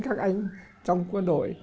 các anh trong quân đội